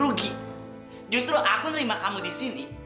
rugi justru aku nerima kamu di sini